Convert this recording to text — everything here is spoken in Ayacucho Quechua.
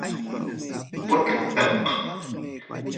Yawarta waqachkan.